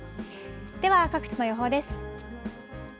では、各地の予報です。